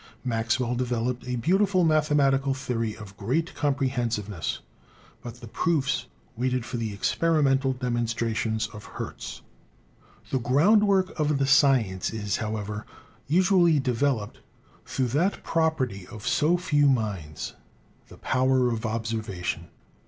Maxwell developed a beautiful mathematical theory of great comprehensive ness, but the proofs waited for the experimental demon strations of Hertz. The groundwork of the science is, however, usually developed through that property of so few minds — the power of observation.